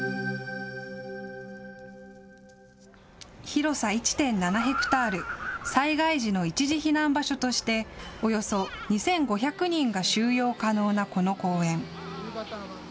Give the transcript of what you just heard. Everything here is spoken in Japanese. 広さ１．７ヘクタール、災害時の一時避難場所としておよそ２５００人が収容可能なこの公園。